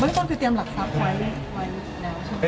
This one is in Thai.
มึงต้องไปเตรียมหลักภาพไว้